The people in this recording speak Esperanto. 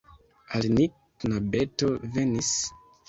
Al ni knabeto venis!